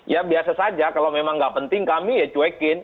ya biasa saja kalau memang nggak penting kami ya cuekin